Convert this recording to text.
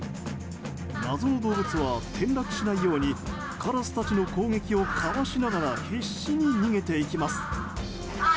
謎の動物は転落しないようにカラスたちの攻撃をかわしながら必死に逃げていきます。